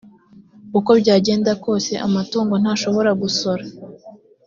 uko byagenda kose amatungo ntashobora gusora